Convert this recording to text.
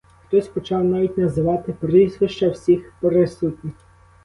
Хтось почав навіть називати прізвища всіх присутніх.